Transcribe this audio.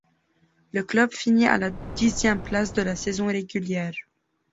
Le club finit à la dixième place de la saison régulière.